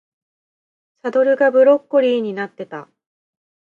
サドルがブロッコリーになってた